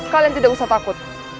kalian tidak usah takut